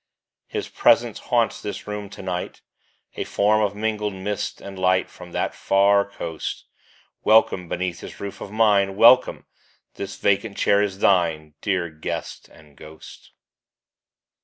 His presence haunts this room to night, A form of mingled mist and light From that far coast. Welcome beneath this roof of mine ! Welcome ! this vacant chair is thine, Dear guest and ghost